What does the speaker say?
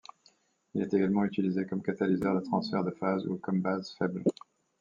Il est également utilisé comme catalyseur de transfert de phase ou comme base faible.